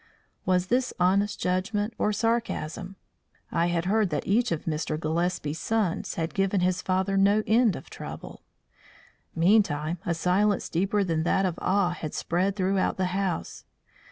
Was this honest judgment or sarcasm? I had heard that each of Mr. Gillespie's sons had given his father no end of trouble. Meantime a silence deeper than that of awe had spread throughout the house.